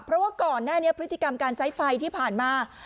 เพราะว่าก่อนหน้านี้พฤติกรรมการใช้ไฟที่ผ่านมา